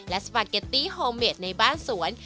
และสปาเกตตี้โฮเมดในบ้านสวน